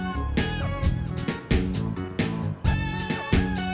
quedar aku juga ke dist password